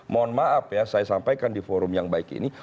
mohon maaf ya saya sampaikan di forum yang baik ini